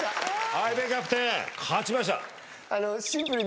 相葉キャプテン勝ちました。